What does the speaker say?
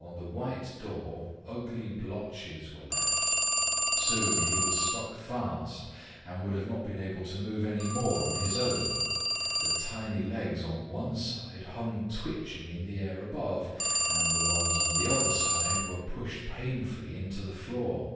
On the white door ugly blotches were left. Soon he was stuck fast and would have not been able to move any more on his own. The tiny legs on one side hung twitching in the air above, and the ones on the other side were pushed painfully into the floor.